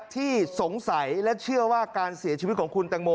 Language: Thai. ที่สงสัยและเชื่อว่าการเสียชีวิตของคุณตังโม